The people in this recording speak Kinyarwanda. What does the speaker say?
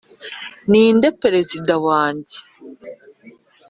ninde perezida wanjye